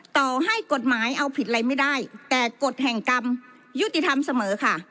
ต่อให้กฎหมายเอาผิดอะไรไม่ได้แต่กฎแห่งกรรมยุติธรรมเสมอค่ะ